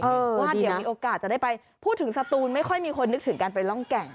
เพราะว่าเดี๋ยวมีโอกาสจะได้ไปพูดถึงสตูนไม่ค่อยมีคนนึกถึงการไปร่องแก่ง